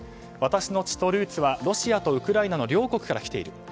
私の血とルーツはロシアとウクライナの両国からきている。